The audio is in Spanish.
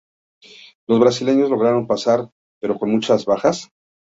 Los brasileños lograron pasar, pero con muchas bajas.